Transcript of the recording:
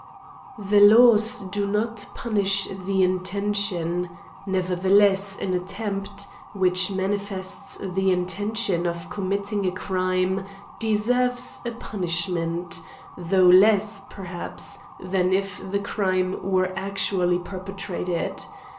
THE laws do not punish the intention ; never theless, an attempt, which manifests the intention of committingacrime, deserves a punishment, though less, perhaps, than if the crime were actually per petrated.